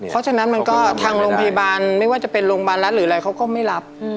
เพราะฉะนั้นมันก็ทางโรงพยาบาลไม่ว่าจะเป็นโรงพยาบาลรัฐหรืออะไรเขาก็ไม่รับ